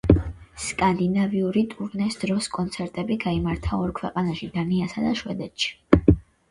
სკანდინავიური ტურნეს დროს კონცერტები გაიმართა ორ ქვეყანაში დანიასა და შვედეთში.